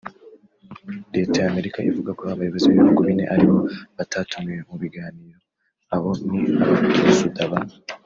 Leta y‘Amerika ivuga ko abayobozi b’ibihugu bine ari bo batatumiwe mu biganiro abo ni abaperezuda ba